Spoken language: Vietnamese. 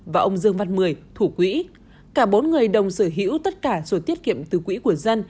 và ông dương văn mười thủ quỹ cả bốn người đồng sở hữu tất cả số tiết kiệm từ quỹ của dân